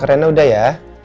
aku renah udah ya